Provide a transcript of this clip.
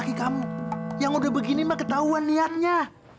sampai jumpa di video selanjutnya